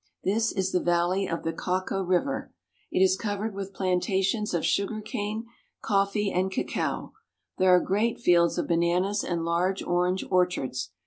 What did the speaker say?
This is the valley of the Cauca river. It is covered with planta tions of sugar cane, coffee, and cacao. There are great fields of bananas and large orange orchards.